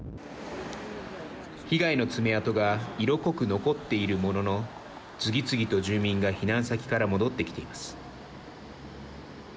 被害の爪痕が色濃く残っているものの次々と住民が避難先から戻ってきています。